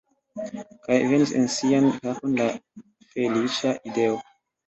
Kaj venis en sian kapon la feliĉa ideo.